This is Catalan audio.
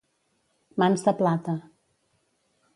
Mans de plata.